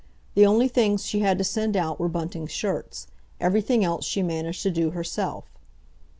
The only things she had to send out were Bunting's shirts. Everything else she managed to do herself.